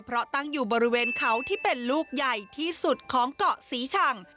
เพราะตั้งอยู่บริเวณเขาที่เป็นลูกใหญ่ที่สุดของเกาะศรีชัง